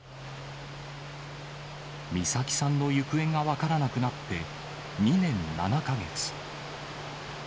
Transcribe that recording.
美咲さんの行方が分からなくなって、２年７か月。